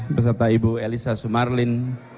beserta ibu elisa sumarlin